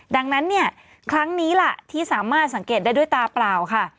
ดังนั้นเนี่ยครั้งนี้ล่ะที่สามารถสังเกตได้ด้วยตาเปล่าค่ะ